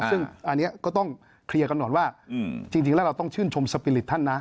ซึ่งอันนี้ก็ต้องเคลียร์กันก่อนว่าจริงแล้วเราต้องชื่นชมสปีริตท่านนะ